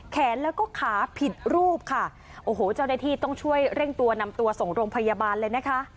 แขนแล้วก็ขาผิดรูปค่ะโอ้โหเจ้าหน้าที่ต้องช่วยเร่งตัวนำตัวส่งโรงพยาบาลเลยนะคะ